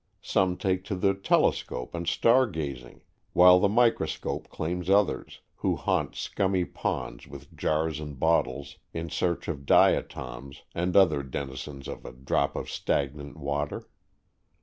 Some take to the telescope and star gazing, while the microscope claims others, who haunt scummy ponds with jars and bottles in search of diatoms, and other denizens of a drop of stagnant water.